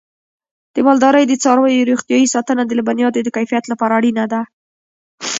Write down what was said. د مالدارۍ د څارویو روغتیا ساتنه د لبنیاتو د کیفیت لپاره اړینه ده.